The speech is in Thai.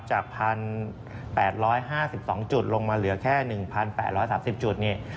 จาก๑๘๕๒จุดลงมาเหลือแค่๑๘๓๐จุดนี่